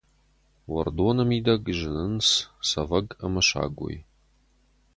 Уӕрдоны мидӕг зынынц цӕвӕг ӕмӕ сагой.